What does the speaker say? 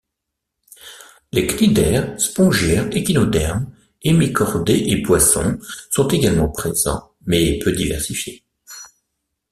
Les cnidaires, spongiaires, échinodermes, hémichordés et poissons sont également présents mais peu diversifiés.